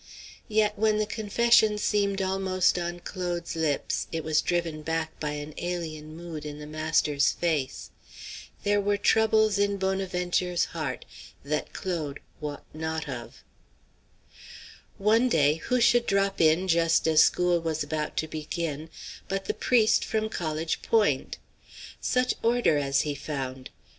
Yet when the confession seemed almost on Claude's lips it was driven back by an alien mood in the master's face. There were troubles in Bonaventure's heart that Claude wot not of. One day who should drop in just as school was about to begin but the priest from College Point! Such order as he found!